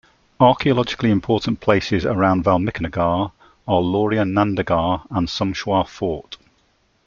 Archaeologically important places around Valmikinagar are Lauriya-Nandangarh and Someshwar Fort.